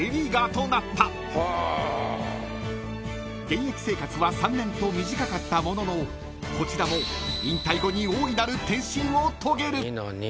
［現役生活は３年と短かったもののこちらも引退後に大いなる転身を遂げる］